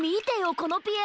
このピエロ！